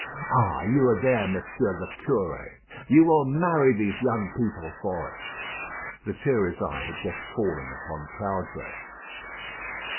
Ah! you are there, Monsieur the Curé. You will marry these young people for us." Lethierry's eye had just fallen upon Caudray.